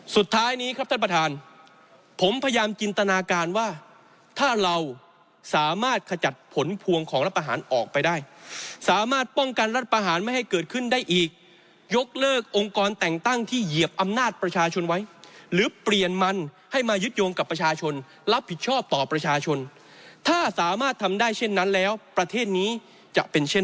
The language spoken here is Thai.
สุดท้ายนี้ครับท่านประธานผมพยายามจินตนาการว่าถ้าเราสามารถขจัดผลพวงของรัฐประหารออกไปได้สามารถป้องกันรัฐประหารไม่ให้เกิดขึ้นได้อีกยกเลิกองค์กรแต่งตั้งที่เหยียบอำนาจประชาชนไว้หรือเปลี่ยนมันให้มายึดโยงกับประชาชนรับผิดชอบต่อประชาชนถ้าสามารถทำได้เช่นนั้นแล้วประเทศนี้จะเป็นเช่น